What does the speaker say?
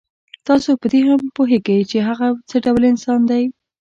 تاسو په دې هم پوهېږئ چې هغه څه ډول انسان دی.